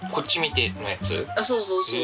そうそうそう。